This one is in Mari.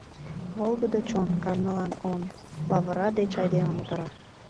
Волгыдо чон — Кажнылан он — «Лавыра» деч айдемым утара.